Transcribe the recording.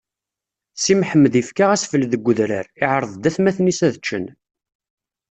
Si Mḥemmed ifka asfel deg udrar, iɛreḍ-d atmaten-is ad ččen.